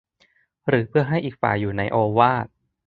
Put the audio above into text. หรือเพื่อให้อีกฝ่ายอยู่ในโอวาท